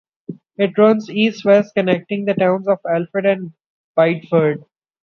It runs east-west, connecting the towns of Alfred and Biddeford.